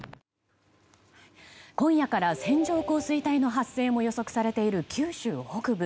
今夜から線状降水帯の発生も予測されている九州北部。